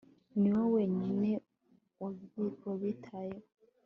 ni wowe wenyine wabitayeho